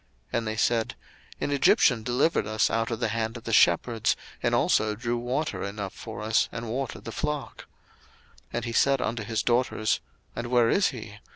02:002:019 And they said, An Egyptian delivered us out of the hand of the shepherds, and also drew water enough for us, and watered the flock. 02:002:020 And he said unto his daughters, And where is he?